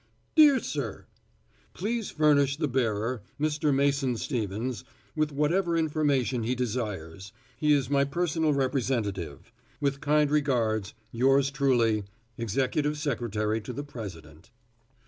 Dear Sir: Please furnish the bearer, Mr. Mason Stevens, with whatever information he desires. He is my personal representative. With kind regards, Yours truly, Executive Secretary to the President.'